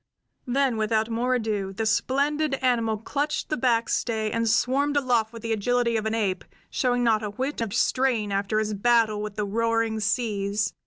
Then without more ado the splendid human animal clutched a backstay and swarmed aloft with the agility of an ape, showing not a whit of strain after his battle with the roaring seas.